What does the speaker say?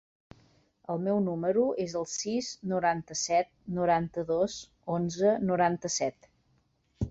El meu número es el sis, noranta-set, noranta-dos, onze, noranta-set.